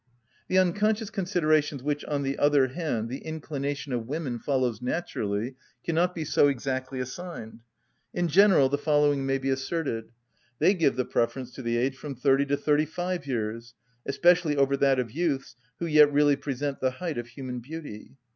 The unconscious considerations which, on the other hand, the inclination of women follows naturally cannot be so exactly assigned. In general the following may be asserted: They give the preference to the age from thirty to thirty‐five years, especially over that of youths who yet really present the height of human beauty.